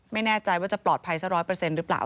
ไม่แน่ใจว่าจะปลอดภัยสัก๑๐๐หรือเปล่า